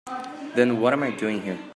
Then what am I doing here?